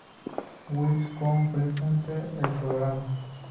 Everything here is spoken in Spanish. Will Best co-presenta el programa.